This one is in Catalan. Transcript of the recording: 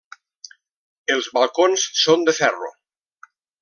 Els balcons són de ferro.